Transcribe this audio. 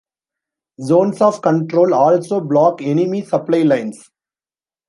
Zones of control also block enemy supply lines.